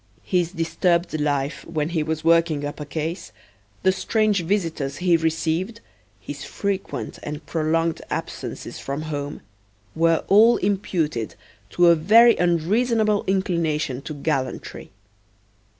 His disturbed life when he was working up a case, the strange visitors he received, his frequent and prolonged absences from home, were all imputed to a very unreasonable inclination to gallantry.